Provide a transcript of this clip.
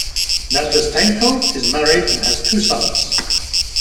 Nazdratenko is married and has two sons.